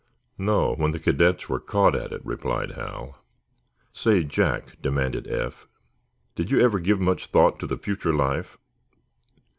"No; when the cadets were caught at it," replied Hal. "Say, Jack," demanded Eph, "do you ever give much thought to the future life?"